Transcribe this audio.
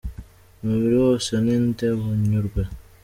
Umubiri wose ni ndebunyurwe.